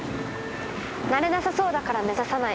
なれなさそうだから目指さない。